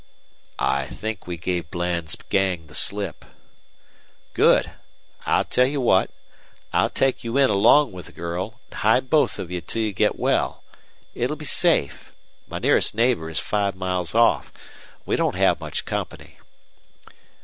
"I think we gave Bland's gang the slip." "Good. I'll tell you what. I'll take you in along with the girl, an' hide both of you till you get well. It'll be safe. My nearest neighbor is five miles off. We don't have much company."